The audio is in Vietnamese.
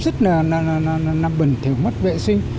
rất là bẩn thiểu mất vệ sinh